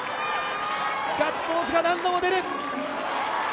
ガッツポーズが何度も出る。